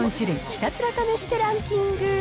ひたすら試してランキング。